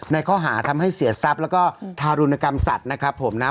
ในข้อหาทำให้เสียทรัพย์แล้วก็ทารุณกรรมสัตว์นะครับผมนะ